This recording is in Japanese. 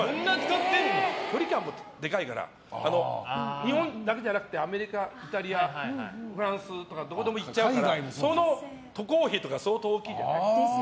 日本だけじゃなくてアメリカイタリアフランスとかどこでも行っちゃうからその渡航費とか相当大きいじゃない。ですよね。